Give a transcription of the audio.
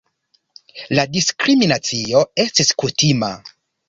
La diskriminacio estis kutima.